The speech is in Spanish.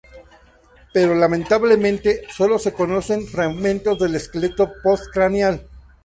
Pero lamentablemente, solo se conoce´n fragmentos del esqueleto postcraneal.